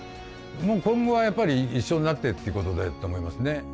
今後はやっぱり一緒になってっていうことだと思いますね。